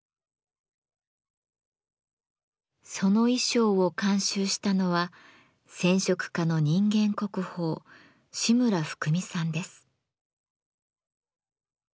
その衣装を監修したのは染織家の人間国宝志村ふくみさんです。